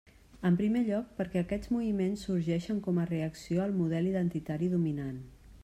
En primer lloc, perquè aquests moviments sorgeixen com a reacció al model identitari dominant.